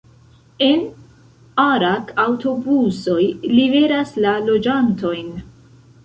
En Arak aŭtobusoj liveras la loĝantojn.